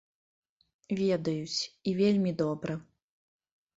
Ведаюць, і вельмі добра.